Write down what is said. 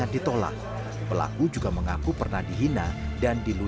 dia mengaku perbuatan itu